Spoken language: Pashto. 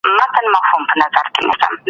هغه څوک چي تجربه نه لري واښو ته ورته دی.